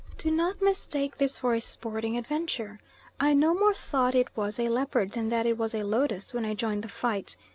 Do not mistake this for a sporting adventure. I no more thought it was a leopard than that it was a lotus when I joined the fight.